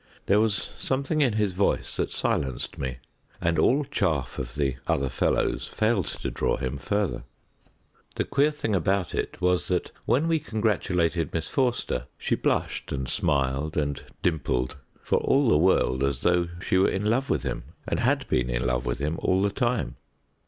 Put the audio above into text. There was something in his voice that silenced me, and all chaff of the other fellows failed to draw him further. The queer thing about it was that when we congratulated Miss Forster, she blushed and smiled and dimpled, for all the world as though she were in love with him, and had been in love with him all the time.